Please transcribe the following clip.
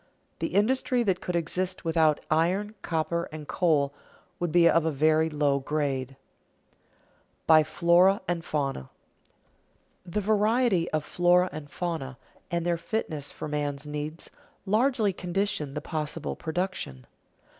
The industry that could exist without iron, copper, and coal would be of a very low grade. [Sidenote: By flora and fauna] The variety of flora and fauna, and their fitness for man's needs, largely condition the possible production.